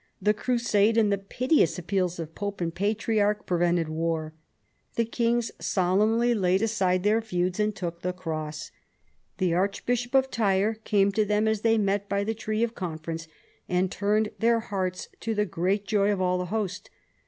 The crusade, and the piteous appeals of pope and patriarch, prevented war. The kings solemnly laid aside their feuds and took the cross. The archbishop of Tyre came to them as they met by the tree of con ference, and turned their hearts, to the great joy of all the host.